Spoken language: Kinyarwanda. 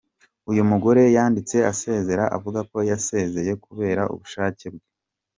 Uyu mugore yanditse asezera avuga ko yasezeye kubera ubushake bwe.